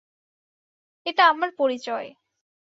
এটা আমার পরিচয়।